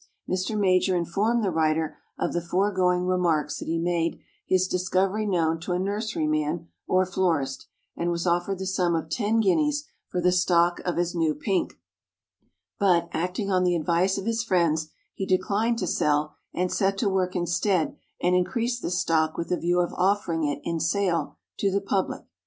Mr. MAJOR informed the writer of the foregoing remarks that he made his discovery known to a nurseryman or florist and was offered the sum of ten guineas for the stock of his new Pink; but, acting on the advice of his friends, he declined to sell, and set to work instead and increased the stock with a view of offering it in sale to the public.